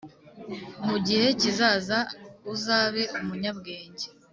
mu gihe kizaza uzabe umunyabwenge